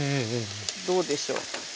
どうでしょう。